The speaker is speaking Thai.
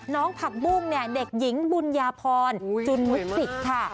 ผักบุ้งเนี่ยเด็กหญิงบุญญาพรจุนมุสิกค่ะ